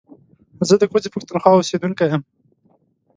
زه د کوزې پښتونخوا اوسېدونکی يم